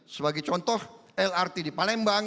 sebagai contoh lrt di palembang